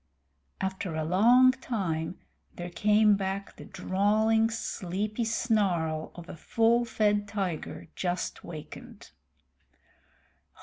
After a long time there came back the drawling, sleepy snarl of a full fed tiger just wakened.